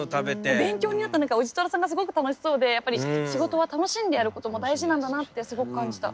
勉強になった何かおじとらさんがすごく楽しそうでやっぱり仕事は楽しんでやることも大事なんだなってすごく感じた。